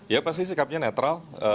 ya pasti sikapnya netral